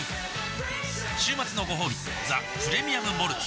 週末のごほうび「ザ・プレミアム・モルツ」